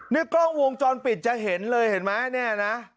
นี่กล้องวงจรปิดจะเห็นเลยเห็นไหมเนี่ยนะ